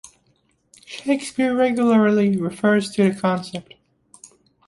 Shakespeare regularly refers to the concept.